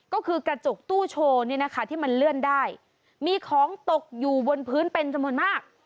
ก็คือกระจกตู้โชว์เนี่ยนะคะที่มันเลื่อนได้มีของตกอยู่บนพื้นเป็นจำนวนมาก